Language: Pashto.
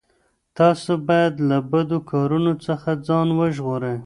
تاسو باید له بدو کارونو څخه ځان وژغورئ.